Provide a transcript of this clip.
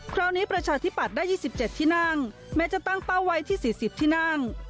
ประชาธิปัตย์ได้๒๗ที่นั่งแม้จะตั้งเป้าไว้ที่๔๐ที่นั่ง